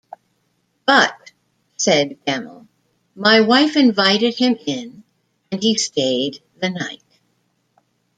"But", said Gemmill, "my wife invited him in and he stayed the night.